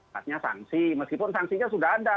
maksudnya sanksi meskipun sanksinya sudah ada